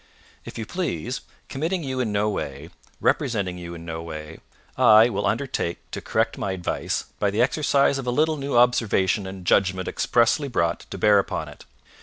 If you please, committing you in no way, representing you in no way, I will undertake to correct my advice by the exercise of a little new observation and judgment expressly brought to bear upon it.